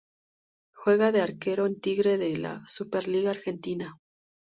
Juega de arquero en Tigre de la Superliga Argentina.